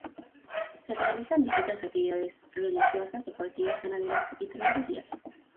Se realizan distintas actividades religiosas, deportivas, ganaderas y sociales.